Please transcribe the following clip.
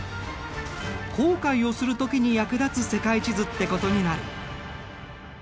航海をする時に役立つ世界地図ってことになる。